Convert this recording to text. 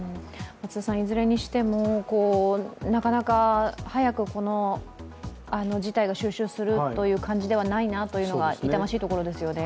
いずれにしても、なかなか早く事態が収拾する感じではないなというのが痛ましいところですよね。